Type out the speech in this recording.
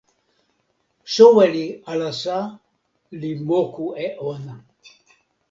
soweli alasa li moku e ona.